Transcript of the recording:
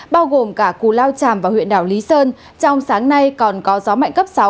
bao gồm cả cù lao tràm và huyện đảo lý sơn trong sáng nay còn có gió mạnh cấp sáu